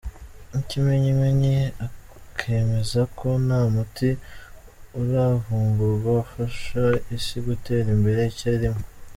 N’ikimenyimenyi akemeza ko nta muti uravumburwa wafasha isi gutera imbere icyarimwe.